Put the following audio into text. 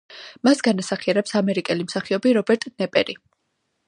მას განასახიერებს ამერიკელი მსახიობი რობერტ ნეპერი.